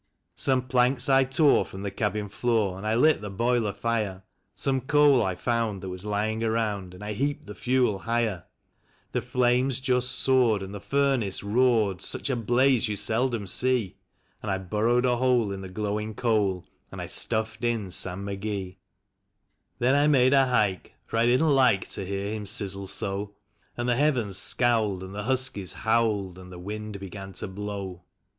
Some planks I tore from the cabin floor, and I lit the boiler fire; Some coal I found that was lying around, and I heaped the fuel higher; The flames just soared, and the furnace roared — such a blaze you seldom see; And I burrowed a hole in the glowing coal, and I stuffed in Sam McGee. THE CREMATION OF SAM McGEE. 39 Then I made a hike, for I didn't like to hear him sizzle so; And the heavens scowled, and the huskies howled, and the wind began to blow.